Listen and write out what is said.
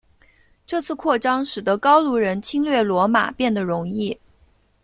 这次扩张使得高卢人侵略罗马变得容易。